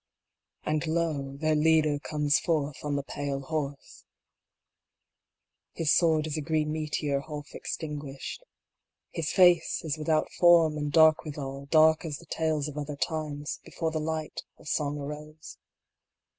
And, lo, their Leader comes forth on the Pale Horse. His sword is a green meteor half extinguished. BATTLE OF THE STARS. 45 His face is without form, and dark withal, dark as the tales of other times, before the light of song arose.